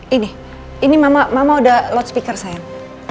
ini ini mama udah loudspeaker sayang